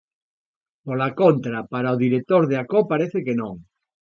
Pola contra, para o director de acó, parece que non.